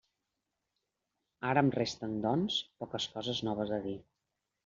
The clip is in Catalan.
Ara em resten, doncs, poques coses noves a dir.